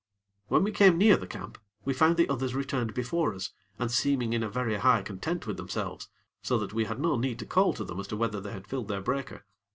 When we came near the camp, we found the others returned before us, and seeming in a very high content with themselves; so that we had no need to call to them as to whether they had filled their breaker.